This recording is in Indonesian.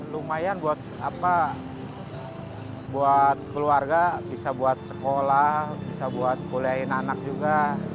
lumayan buat keluarga bisa buat sekolah bisa buat kuliahin anak juga